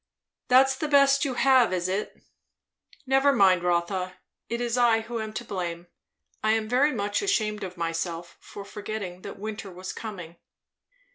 "That's the best you have, is it? Never mind, Rotha; it is I who am to blame. I am very much ashamed of myself, for forgetting that winter was corning."